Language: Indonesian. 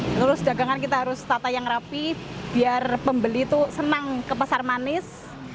terus dagangan kita harus tata yang rapi biar pembeli itu senang ke pasar manis